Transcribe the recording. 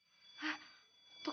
gue masuk ke dalam kelas dulu ya